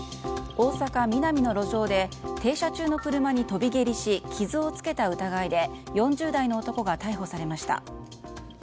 大阪・ミナミの路上で停車中の車に跳び蹴りし傷をつけた疑いで４０代の男が逮捕されました。